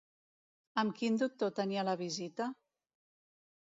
Amb quin doctor tenia la visita?